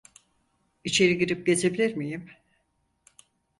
İçeri girip gezebilir miyim?